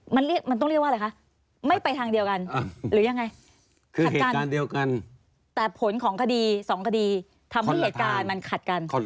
หรือยังไงคาดกันแต่ผลของสองคดีทำผิดเหลตการมันคาดกัน